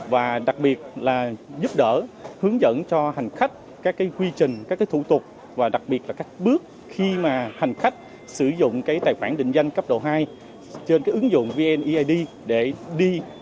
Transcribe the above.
và đặc biệt là giúp đỡ hướng dẫn cho hành khách các quy trình các thủ tục và đặc biệt là các bước khi mà hành khách sử dụng tài khoản định danh cấp độ hai trên ứng dụng vneid để đi